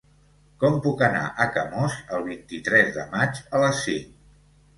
Com puc anar a Camós el vint-i-tres de maig a les cinc?